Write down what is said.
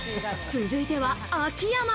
続いては秋山。